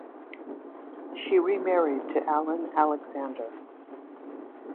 She remarried to Allan Alexander.